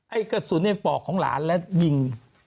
ไอ้กระสุนปลอกของหลานแล้วยิง